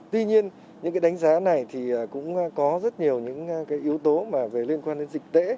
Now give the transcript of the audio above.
tuy nhiên những đánh giá này cũng có rất nhiều yếu tố liên quan đến dịch tễ